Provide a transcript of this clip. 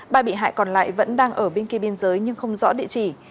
ba bị hại còn lại vẫn đang ở bên kia biên giới nhưng không rõ địa chỉ